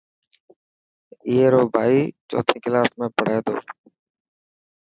اي رو ڀائي چوٿي ڪلاس ۾ پهري تو.